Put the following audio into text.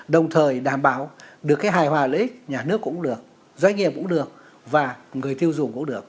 đồng thời đảm bảo được cái hài hòa lợi ích nhà nước cũng được doanh nghiệp cũng được và người tiêu dùng cũng được